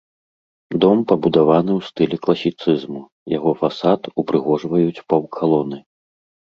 Дом пабудаваны ў стылі класіцызму, яго фасад упрыгожваюць паўкалоны.